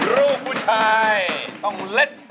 ลูกผู้ชายต้องเล่น